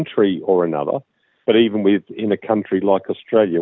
tapi bahkan di negara seperti australia